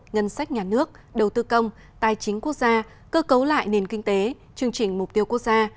ngân sách nhà nước đầu tư công tài chính quốc gia cơ cấu lại nền kinh tế chương trình mục tiêu quốc gia